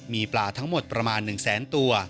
มีปลาทั้งหมดประมาณ๑แสนตัว